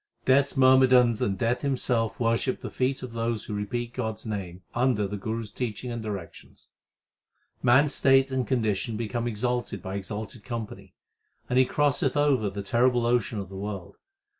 Death s myrmidons and Death himself worship the feet of those Who repeat God s name under the Guru s teaching and directions. 368 THE SIKH RELIGION Man s state and condition become exalted by exalted com pany, and he crosseth over the terrible ocean of the world.